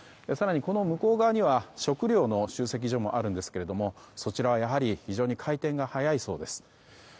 更に、この向こう側には食料の集積所もあるんですがそちらは、やはり非常に回転が早いそうです。